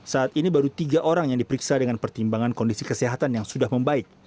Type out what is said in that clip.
saat ini baru tiga orang yang diperiksa dengan pertimbangan kondisi kesehatan yang sudah membaik